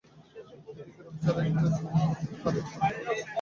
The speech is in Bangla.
এ দিকে রূপ ছাড়া আরো একটা কারণে হঠাৎ কুমুদিনীর দর বেড়ে গিয়েছে।